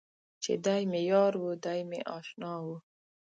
چې دی مې یار و دی مې اشنا و.